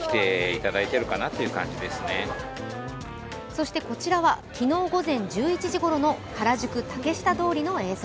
そしてこちらは昨日午前１１時ごろの原宿・竹下通りの映像。